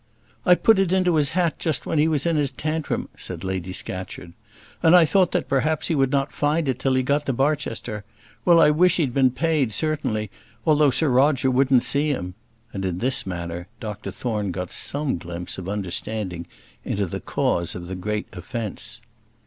"I put it into his hat just while he was in his tantrum," said Lady Scatcherd. "And I thought that perhaps he would not find it till he got to Barchester. Well I wish he'd been paid, certainly, although Sir Roger wouldn't see him;" and in this manner Dr Thorne got some glimpse of understanding into the cause of the great offence.